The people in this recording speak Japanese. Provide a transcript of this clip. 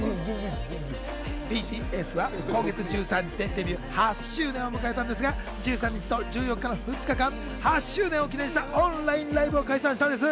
ＢＴＳは今月１３日でデビュー８周年を迎えたんですが１３日と１４日の２日間、８周年を記念したオンラインライブを開催したんです。